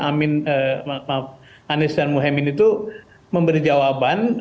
amin maaf anies dan muhyemini itu memberi jawaban